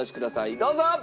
どうぞ！